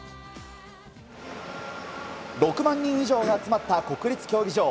６万人以上が集まった国立競技場。